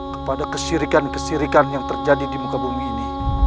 kepada kesirikan kesirikan yang terjadi di muka bumi ini